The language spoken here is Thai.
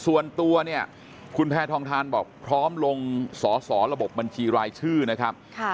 ส่วนตัวเนี่ยคุณแพทองทานบอกพร้อมลงสอสอระบบบัญชีรายชื่อนะครับ